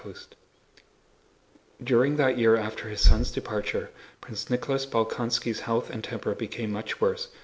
CHAPTER XXV During that year after his son's departure, Prince Nicholas Bolkónski's health and temper became much worse.